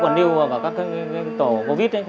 cô còn lưu vào các cái tổ covid ấy